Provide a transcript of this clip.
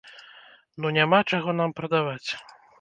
Ну няма чаго нам прадаваць.